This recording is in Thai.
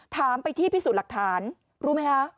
ถามไปที่พิสูจน์หลักฐานรู้ไหมคะ